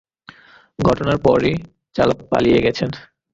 ঘটনার পরই চালক পালিয়ে গেছেন।